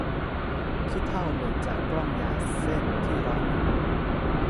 ขี้เถ้าหล่นจากกล้องยาเส้นที่ร้อนอยู่